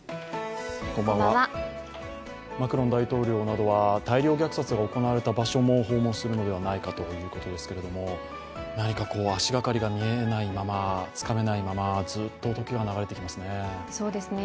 マクロン大統領などは大量虐殺が行われた場所も訪問するのではないかということですけれども何か足がかりが見えないままつかめないままずっと時は流れていきますね。